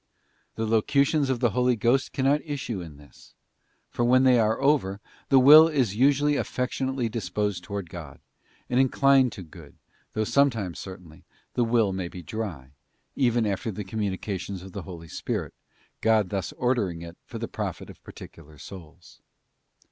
The Locutions of the Holy Ghost cannot issue in this, for when they are over, the will is usually affectionately dis posed towards God, and inclined to good, though sometimes, certainly, the will may be dry, even after the communications of the Holy Spirit, God thus ordering it for the profit of particular souls.